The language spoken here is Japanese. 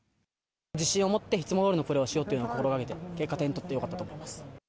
自信を持って、いつもどおりのプレーをしようというのは心がけて、結果、点取ってよかったと思います。